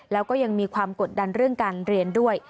แล้วก็ยังมีความกดดันเรื่องการเรียนด้วย